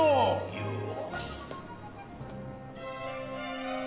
よし。